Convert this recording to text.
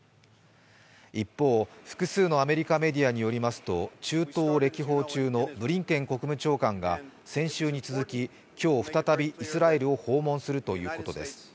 一方、複数のアメリカメディアによりますと中東を歴訪中のブリンケン国務長官が先週に続き、今日再びイスラエルを訪問するということです。